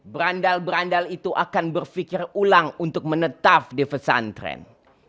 berandal berandal itu akan berpikir ulang untuk menetap di pesantren